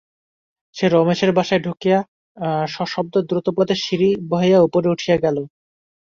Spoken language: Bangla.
সে রমেশের বাসায় ঢুকিয়া সশব্দ দ্রুতপদে সিঁড়ি বাহিয়া উপরে উঠিয়া গেল।